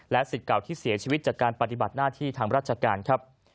สิทธิ์เก่าที่เสียชีวิตจากการปฏิบัติหน้าที่ทางราชการครับ